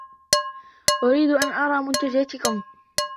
أريد أن أرى منتجاتكم.